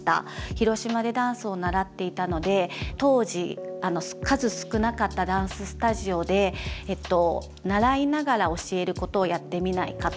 広島でダンスを習っていたので当時数少なかったダンススタジオで習いながら教えることをやってみないかと。